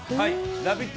「ラヴィット！」